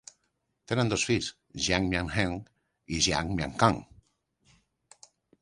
Tenen dos fills, Jiang Mianheng i Jiang Miankang.